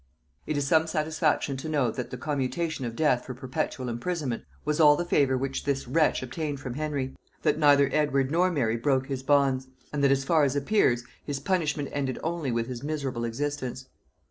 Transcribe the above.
It is some satisfaction to know, that the commutation of death for perpetual imprisonment was all the favor which this wretch obtained from Henry; that neither Edward nor Mary broke his bonds; and that, as far as appears, his punishment ended only with his miserable existence.